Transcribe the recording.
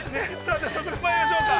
では、早速まいりましょうか。